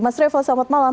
mas revol selamat malam